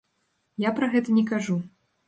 Я пра гэта не кажу.